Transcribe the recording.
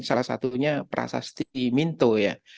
salah satunya prasasti minto ya